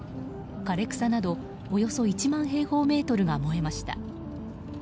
枯れ草など、およそ１万平方メートルが燃えました。